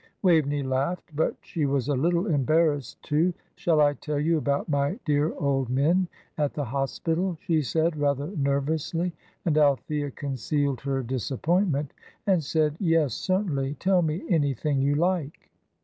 Waveney laughed; but she was a little embarrassed, too. "Shall I tell you about my dear old men at the Hospital?" she said, rather nervously; and Althea concealed her disappointment, and said, "Yes, certainly; tell me anything you like."